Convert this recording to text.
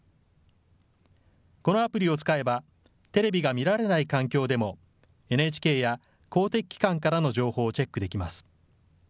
このアプリを使えばテレビが見られない環境でもＮＨＫや公的機関からの情報をチェックできます。